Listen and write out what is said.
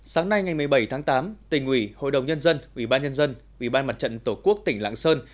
sáng nay ngày một mươi bảy tháng tám tỉnh ủy hội đồng nhân dân ủy ban nhân dân ủy ban mặt trận tổ quốc tỉnh lạng sơn